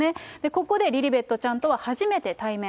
ここでリリベットちゃんとは初めて対面。